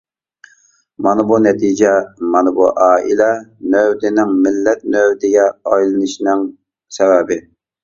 مانا بۇ نەتىجە، مانا بۇ ئائىلە نۆۋىتىنىڭ مىللەت نۆۋىتىگە ئايلىنىشىنىڭ سەۋەبى.